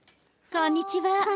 こんにちは。